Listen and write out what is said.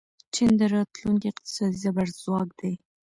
چین د راتلونکي اقتصادي زبرځواک دی.